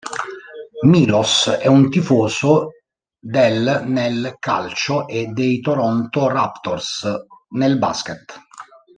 Milos è un tifoso del nel calcio e dei Toronto Raptors nel basket.